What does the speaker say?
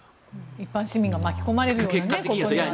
一般市民が巻き込まれるというかね。